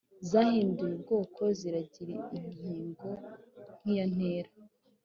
zahinduye ubwoko zikagira ingingo nk’iya ntera.